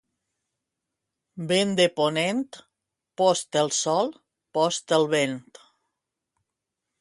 Vent de ponent, post el sol, post el vent.